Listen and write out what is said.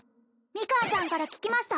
ミカンさんから聞きました